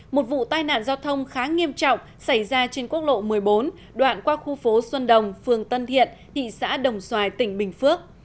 một vụ tai nạn giao thông khá nghiêm trọng xảy ra trên quốc lộ một mươi bốn đoạn qua khu phố xuân đồng phường tân thiện thị xã đồng xoài tỉnh bình phước